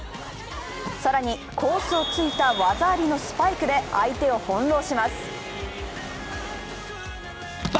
更にコースを突いた技ありのスパイクで相手を翻弄します。